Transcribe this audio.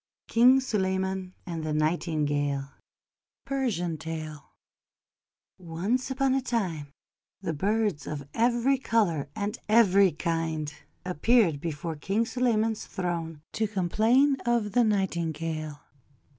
KING SULEYMAN AND THE NIGHTINGALE Persian Tale ONCE upon a time, the birds of every colour and every kind appeared before King Suleyman's throne to complain of the Nightingale.